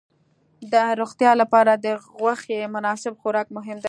د روغتیا لپاره د غوښې مناسب خوراک مهم دی.